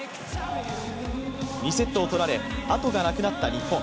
２セットを取られ、あとがなくなった日本。